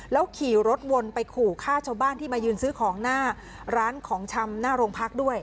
แล้วขี่รถวนไปขู่ฆ่าชาวบ้านที่มายืนซื้อของหน้าร้านของชำหน้าโรงพักด้วย